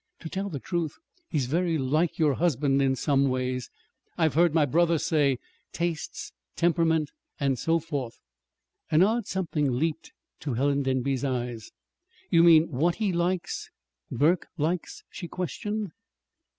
"To tell the truth he's very like your husband, in some ways, I've heard my brother say tastes, temperament, and so forth." An odd something leaped to Helen Denby's eyes. "You mean, what he likes, Burke likes?" she questioned.